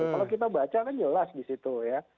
kalau kita baca kan jelas di situ ya